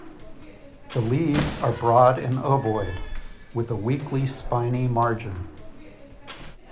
The leaves are broad and ovoid, with a weakly spiny margin.